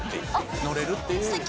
乗れるっていう。